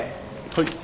はい。